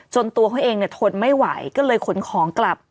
ตัวเขาเองเนี่ยทนไม่ไหวก็เลยขนของกลับ